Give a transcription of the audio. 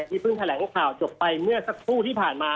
เพิ่งแถลงข่าวจบไปเมื่อสักครู่ที่ผ่านมา